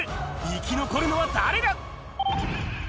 生き残るのは誰だ？